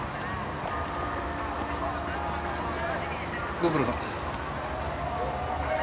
ご苦労さん。